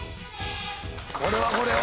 これはこれは。